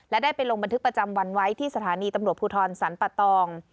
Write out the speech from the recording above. และได้ไปลงบันทึกประจำวันไว้ที่สถานีตำรวจภูทรสรรปะตอง